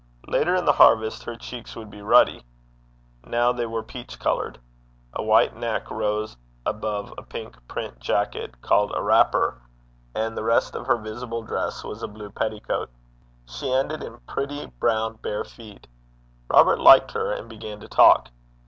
Later in the harvest her cheeks would be ruddy now they were peach coloured. A white neck rose above a pink print jacket, called a wrapper; and the rest of her visible dress was a blue petticoat. She ended in pretty, brown bare feet. Robert liked her, and began to talk.